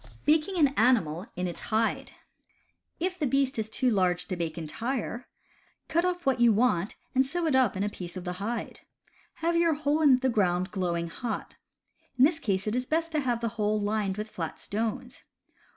Baking an Animal in its Hide. — If the beast is too large to bake entire, cut off what you want and sew it up in a piece of the hide. Have your hole in the ground glowing hot. In this case it is best to have the hole lined with flat stones.